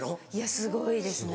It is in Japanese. すごいですね。